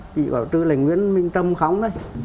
trưa là nguyễn minh trâm khóng đấy